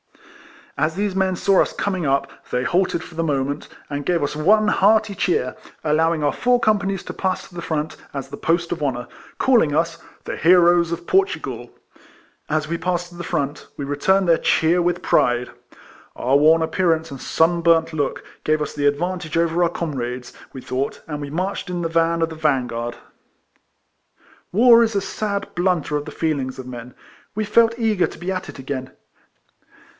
As these men saw us com ing up they halted for the moment, and gave us one hearty cheer, allowing our four companies to pass to the front, as the post of honour, calling us " The heroes of Portu gal." As we passed to the front, we re turned their cheer with pride. Our worn appearance and sun burnt look gave us the advantage over our comrades, we thought, and we marched in the van of the vansuard. AYar is a sad blunter of the feelings of men. We felt eager to be at it again.